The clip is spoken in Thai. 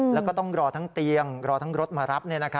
แล้วก็ต้องรอทั้งเตียงรอทั้งรถมารับ